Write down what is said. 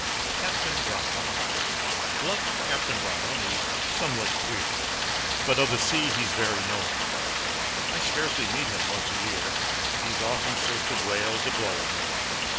CAPTAIN BROWN Bluff Captain Brown is somewhat queer, But of the sea he's very knowing. I scarcely meet him once a year He's off in search of whales a blowing.